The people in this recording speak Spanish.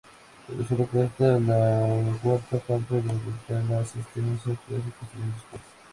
Pero solo cuesta la cuarta parte de aumentar la asistencia a clase construyendo escuelas.